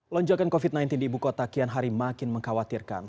lonjakan covid sembilan belas di ibu kota kian hari makin mengkhawatirkan